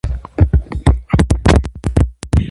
Նա նաև երգում է և խմբում կիթառ է նվագում։